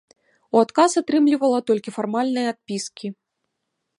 У адказ атрымлівала толькі фармальныя адпіскі.